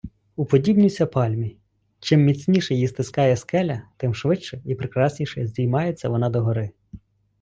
Уподібнюйся пальмі: чим міцніше її стискає скеля, тим швидше і прекрасніше здіймається вона догори.